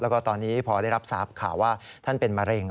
แล้วก็ตอนนี้พอได้รับทราบข่าวว่าท่านเป็นมะเร็ง